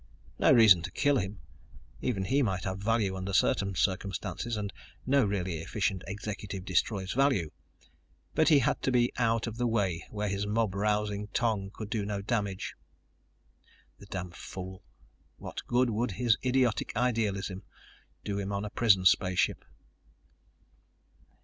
No reason to kill him even he might have value under certain circumstances, and no really efficient executive destroys value but he had to be out of the way where his mob rousing tongue could do no damage. The damned fool! What good would his idiotic idealism do him on a prison spaceship?